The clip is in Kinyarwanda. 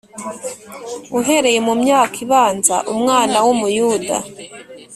Uhereye mu myaka ibanza, umwana w’Umuyuda